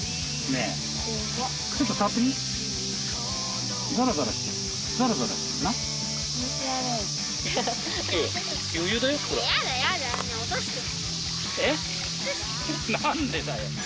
えっなんでだよ。